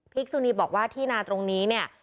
กสุนีบอกว่าที่นาตรงนี้เนี่ย